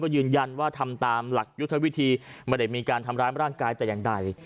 ยืนยันว่าทำตามหลักยุทธวิธีไม่ได้มีการทำร้ายร่างกายแต่อย่างใด